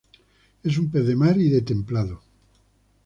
Es un pez de mar y de templado.